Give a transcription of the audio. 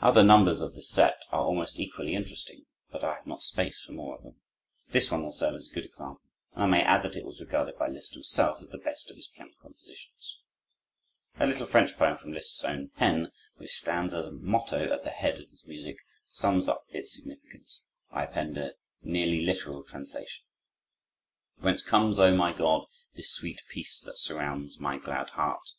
Other numbers of this set are almost equally interesting, but I have not space for more of them. This one will serve as a good example, and I may add that it was regarded by Liszt himself as the best of his piano compositions. A little French poem from Liszt's own pen, which stands as motto at the head of this music, sums up its significance. I append a nearly literal translation. "Whence comes, O my God, this sweet peace that surrounds My glad heart?